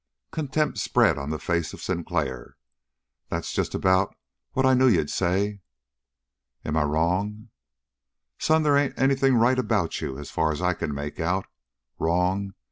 Contempt spread on the face of Sinclair. "That's just about what I knew you'd say." "Am I wrong?" "Son, they ain't anything right about you, as far as I can make out. Wrong?